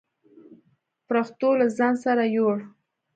پرښتو له ځان سره يووړ.